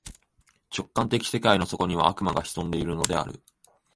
直観的世界の底には、悪魔が潜んでいるのである。